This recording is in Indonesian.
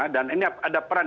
dan ini ada peran